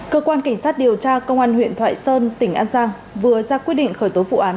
cơ quan cảnh sát điều tra công an huyện thoại sơn tỉnh an giang vừa ra quyết định khởi tố vụ án